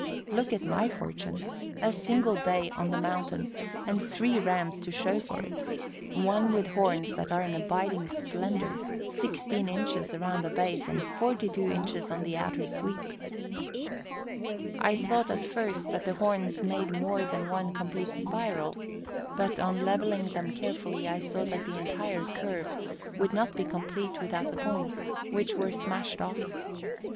Look at my fortune! A single day on the mountain, and three rams to show for it; one with horns that are an abiding splendor sixteen inches around the base and forty two inches on the outer sweep. I thought at first that the horns made more than one complete spiral, but, on leveling them carefully, I saw that the entire curve would not be complete without the points, which were smashed off.